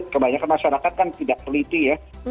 kebanyakan masyarakat kan tidak peliti ya